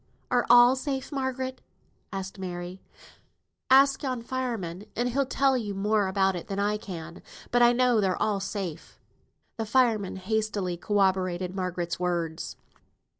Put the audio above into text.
Are all safe, Margaret?" asked Mary. "Ask yon fireman, and he'll tell you more about it than I can. But I know they're all safe." The fireman hastily corroborated Margaret's words.